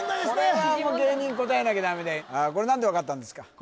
これは芸人答えなきゃダメだよこれ何でわかったんですか？